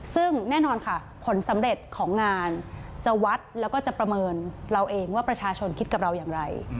ซึ่งแน่นอนค่ะผลสำเร็จของงานจะวัดแล้วก็จะประเมินเราเองว่าประชาชนคิดกับเราอย่างไร